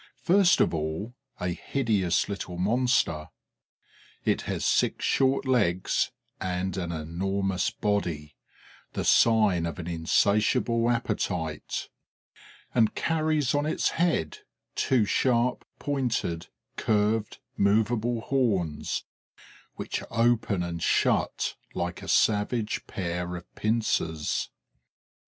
First of all, a hideous little monster. It has six short legs and an enormous body the sign of an insatiable appetite and carries on its head two sharp pointed, curved, movable horns, which open and shut like a savage pair of pincers.